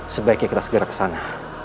sebaiknya kita segera ke sana